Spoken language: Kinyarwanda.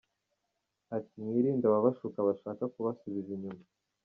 Ati “Mwirinde ababashuka bashaka kubasubiza inyuma.